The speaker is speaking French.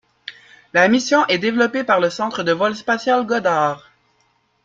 La mission est développée par le centre de vol spatial Goddard.